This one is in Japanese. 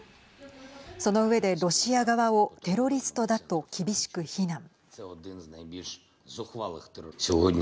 その上で、ロシア側をテロリストだと厳しく非難。